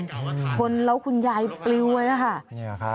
ชนแล้วคุณยายปลิวไว้นะคะ